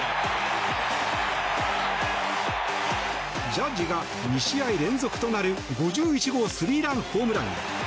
ジャッジが２試合連続となる５１号スリーランホームラン。